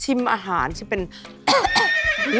ชนิดหน้าจากที่ชิมอาหาร